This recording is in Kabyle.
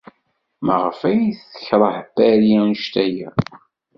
Maɣef ay tekṛeh Paris anect-a akk?